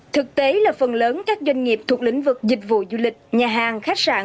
thực tế là phần lớn các doanh nghiệp thuộc lĩnh vực dịch vụ du lịch nhà hàng khách sạn